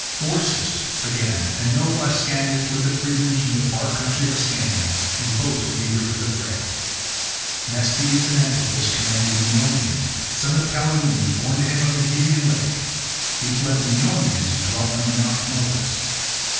Phorcys, again, and noble Ascanius led the Phrygians from the far country of Ascania, and both were eager for the fray. Mesthles and Antiphus commanded the Meonians, sons of Talaemenes, born to him of the Gygaean lake. These led the Meonians, who dwelt under Mt. Tmolus.